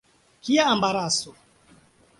Kia embaraso!